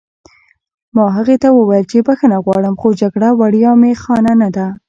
ما هغې ته وویل چې بښنه غواړم خو جګړه وړیا می خانه نه ده